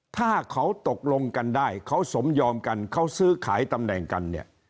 ถ้าเขาตกลงกันได้เขาสมยอมกันเขาซื้อขายตำแหน่งกันเนี่ย